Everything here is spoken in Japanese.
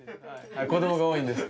子供が多いんです。